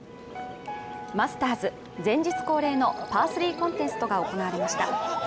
マスターズ前日恒例のパー３コンテストが行われました